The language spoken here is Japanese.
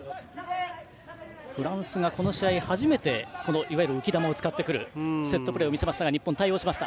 フランスがこの試合初めて浮き球を使ってくるセットプレーを見せましたが日本、対応しました。